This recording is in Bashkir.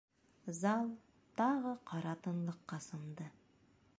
Зал тағы ҡара тынлыҡҡа сумды.